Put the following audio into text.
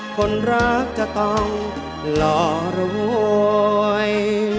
คนรักจะต้องหล่อรวย